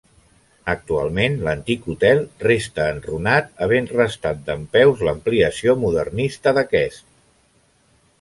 Actualment l'antic hotel resta enrunat havent restat dempeus l'ampliació modernista d'aquest.